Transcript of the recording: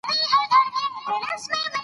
د احمد شاه بابا دور د افغانانو د ویاړ دور و.